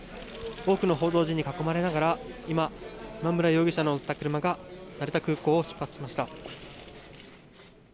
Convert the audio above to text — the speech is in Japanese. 多くの報道陣に囲まれながら今村容疑者を乗せた車が成田空港を出発しました。